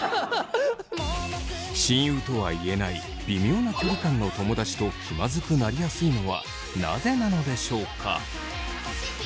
親友とは言えない微妙な距離感の友だちと気まずくなりやすいのはなぜなのでしょうか。